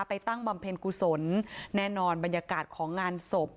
ตั้งบำเพ็ญกุศลแน่นอนบรรยากาศของงานศพ